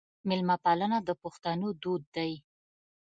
میلمه پالنه د پښتنو دود دی.